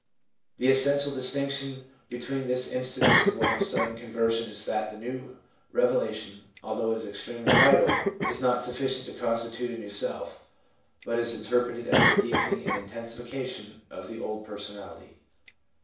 The essential dis ADOLESCENCE BIRTH OF A LARGER SELF 2$ 00 tinction between this instance and one of sudden con version is that the new revelation, although it is extremely vital, is not sufficient to constitute a new self, but is interpreted as a deepening and intensification of the old personality.